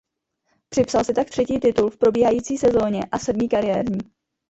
Připsal si tak třetí titul v probíhající sezóně a sedmý kariérní.